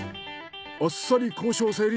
あっさり交渉成立。